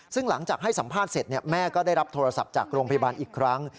ซึ่งหลังจากให้สัมภาษณ์เสร็จแม่ก็ได้รับโทรศัพท์จากโรงพยาบาลอีกครั้ง